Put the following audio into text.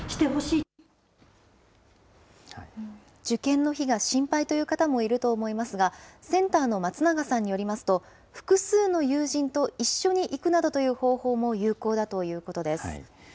受験の日が心配という方もいると思いますが、センターの松永さんによりますと、複数の友人と一緒に行くなどという方法も有効だということです。